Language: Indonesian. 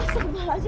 asal malah aja